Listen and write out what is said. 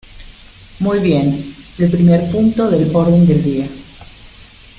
Muy bien, el primer punto del orden del día.